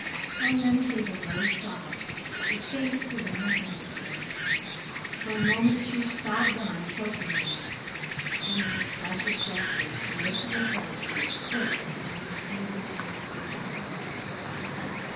Pollyanna gave a low sob. Her face was in her hands again. For a moment she sobbed on, chokingly; then, with a tragic gesture, she lifted her head and looked straight into Jimmy's anguished, reproachful eyes.